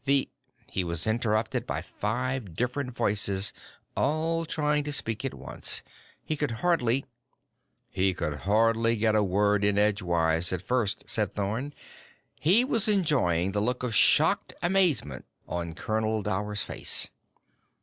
The " He was interrupted by five different voices all trying to speak at once. He could hardly "... He could hardly get a word in edgewise at first," said Thorn. He was enjoying the look of shocked amazement on Colonel Dower's face.